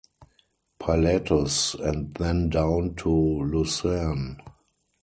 Pilatus and then down to Lucerne.